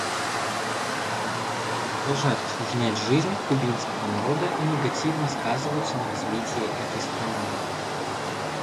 Эти меры продолжают осложнять жизнь кубинского народа и негативно сказываются на развитии этой страны.